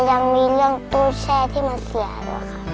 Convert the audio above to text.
ยังมีเรื่องตู้แช่ที่มันเสียอยู่ค่ะ